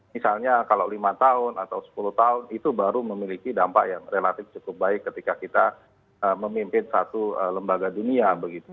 misalnya kalau lima tahun atau sepuluh tahun itu baru memiliki dampak yang relatif cukup baik ketika kita memimpin satu lembaga dunia